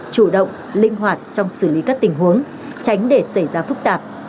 chủ động linh hoạt trong xử lý các tình huống tránh để xảy ra phức tạp